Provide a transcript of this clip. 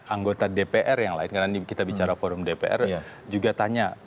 anggota dpr yang lain karena ini kita bicara forum dpr juga tanya